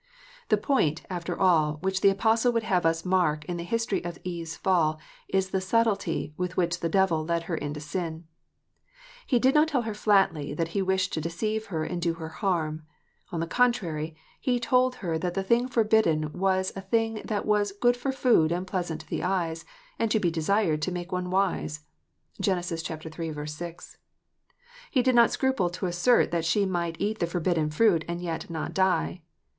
The point, after all, which the Apostle would have us mark in the history of Eve s fall, is the " subtilty " with which the devil led her into sin. He did not tell her flatly that he wished to deceive her and do her harm. On the contrary, he told her that the thing forbidden was a thing that was " good for food, and pleasant to the eyes, and to be desired to make one wise." (Gen. iii. 6.) He did not scruple to assert that she might eat the forbidden fruit and yet " not die."